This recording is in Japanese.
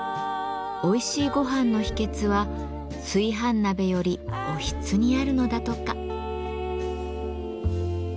おいしいごはんの秘けつは炊飯鍋よりおひつにあるのだとか。